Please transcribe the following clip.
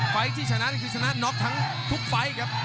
ไฟล์ที่ชนะนี่คือชนะน็อกทั้งทุกไฟล์ครับ